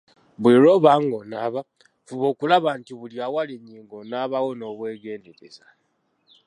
Buli lw'oba ng'onaaba, fuba okulaba nti, buli awali ennyingo onaba wo n'obwegendereza.